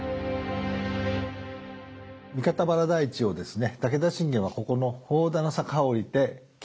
三方原台地をですね